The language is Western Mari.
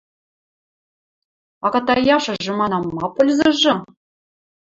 — А катаяшыжы, манам, ма пользыжы?